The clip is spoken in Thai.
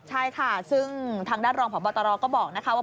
ใช่ค่ะซึ่งทางด้านรองพบตรก็บอกนะคะว่า